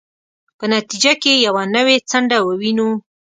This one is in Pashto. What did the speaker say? په نتیجه کې یوه نوې څنډه ووینو.